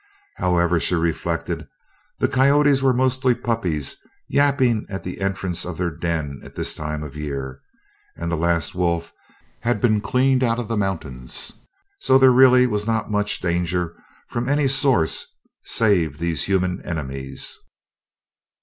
However, she reflected, the coyotes were mostly puppies yapping at the entrance of their den at this time of year, and the last wolf had been cleaned out of the mountains, so there really was not much danger from any source save these human enemies.